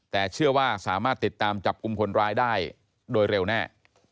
แต่เชื่อว่าสามารถติดตามจับกลุ่มคนร้ายได้โดยเร็วแน่